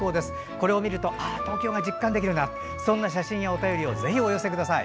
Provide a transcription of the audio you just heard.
これを見ると、東京が実感できるなという写真やお便りをぜひお寄せください。